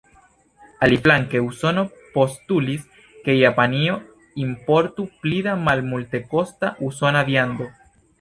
Aliflanke Usono postulis, ke Japanio importu pli da malmultekosta usona viando.